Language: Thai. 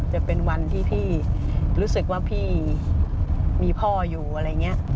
จะเป็นวันที่พี่รู้สึกว่าพี่มีพ่ออยู่อะไรอย่างนี้